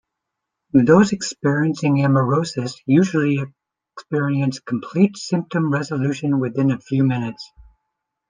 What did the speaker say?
Those experiencing amaurosis usually experience complete symptom resolution within a few minutes.